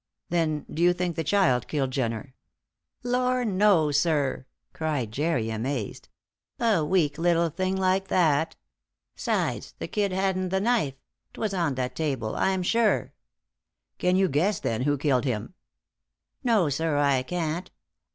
"Then, do you think the child killed Jenner?" "Lor' no, sir!" cried Jerry, amazed. "A weak little thing like that! 'Sides, the kid hadn't the knife. 'Twas on the table, I'm sure." "Can you guess, then, who killed him?" "No, sir, I can't.